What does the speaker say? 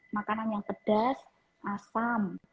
makanan yang pedas asam